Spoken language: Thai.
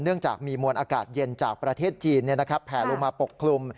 เนื่องจากมีมวลอากาศเย็นจากประเทศจีนแผลลงมาปกคลุม